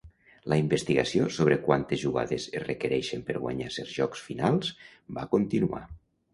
La investigació sobre quantes jugades es requereixen per guanyar certs jocs finals va continuar.